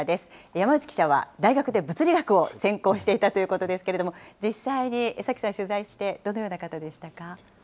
山内記者は大学で物理学を専攻していたということですけれども、実際に江崎さん取材して、どのような方でしたか。